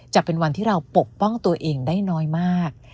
จะเป็นวันที่เราปกป้องตัวเองได้น้อยมาก